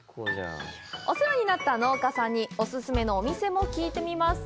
お世話になった農家さんにお勧めのお店も聞いてみます。